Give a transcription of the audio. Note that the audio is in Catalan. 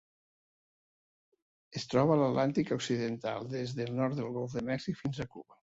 Es troba a l'Atlàntic occidental: des del nord del Golf de Mèxic fins a Cuba.